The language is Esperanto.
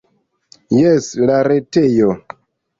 Jes, la retejo.